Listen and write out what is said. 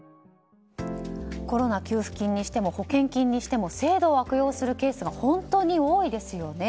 コロナ給付金にしても保険金にしても制度を悪用するケースが本当に多いですよね。